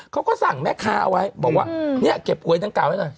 เขาก็สั่งแม่ค้าเอาไว้บอกว่าเนี่ยเก็บหวยดังกล่าให้หน่อย